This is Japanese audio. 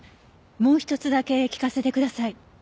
もう一つだけ聞かせてください。